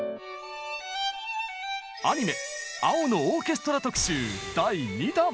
アニメ「青のオーケストラ」特集！